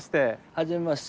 はじめまして。